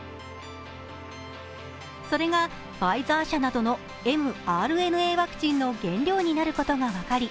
それがファイザー社などのｍＲＮＡワクチンの原料になることが分かり